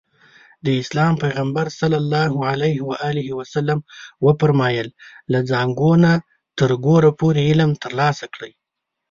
د اسلام پيغمبر ص وفرمايل له زانګو نه تر ګوره پورې علم ترلاسه کړئ.